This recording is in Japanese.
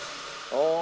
ああ。